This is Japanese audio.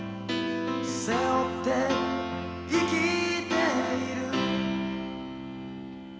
「背負って生きている」